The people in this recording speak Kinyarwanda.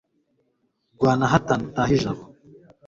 rwana hatana utahe ijabo